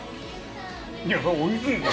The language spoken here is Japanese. いや、そらおいしいですよ。